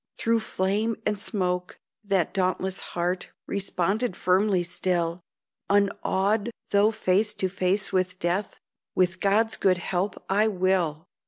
Through flame and smoke that dauntless heart Responded firmly still, Unawed, though face to face with death, "With God's good help I will!"